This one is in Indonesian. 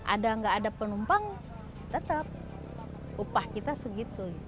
ada atau tidak ada penumpang tetap upah kita segitu